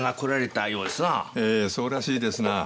ええそうらしいですな。